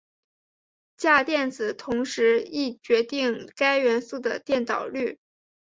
价电子同时亦决定该元素的电导率。